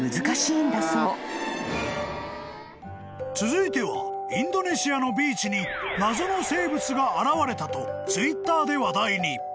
［続いてはインドネシアのビーチに謎の生物が現れたとＴｗｉｔｔｅｒで話題に］